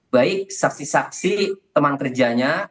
baik saksi saksi teman kerjanya